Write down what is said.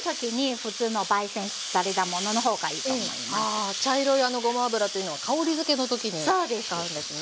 ああ茶色いあのごま油というのは香りづけの時に使うんですね。